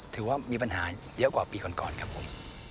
ถือว่ามีปัญหาเยอะกว่าปีก่อนครับผม